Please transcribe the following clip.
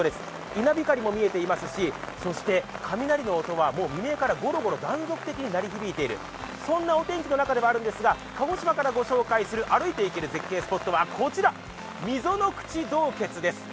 稲光も見えていますし、雷の音も未明からゴロゴロ断続的に鳴り響いている、そんなお天気の中ではあるんですが、鹿児島からご紹介する歩いていける絶景スポットはこちら、溝ノ口洞穴です。